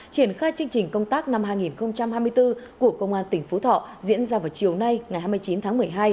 triển khai chương trình công tác năm hai nghìn hai mươi bốn của công an tỉnh phú thọ diễn ra vào chiều nay ngày hai mươi chín tháng một mươi hai